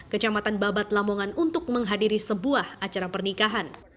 kecamatan babat lamongan untuk menghadiri sebuah acara pernikahan